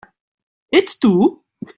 Ets tu?